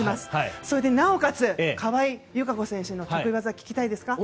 それでなおかつ川井友香子選手の得意技をお願いします。